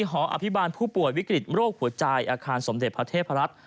หออภิบาลผู้ป่วยวิกฤตโรคหัวใจอาคารสมเด็จพระเทพรัฐ